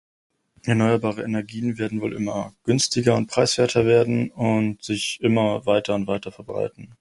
Erneuerbare Energien werden wohl immer günstiger und preiswerter werden und sich immer weiter und weiter verbreiten.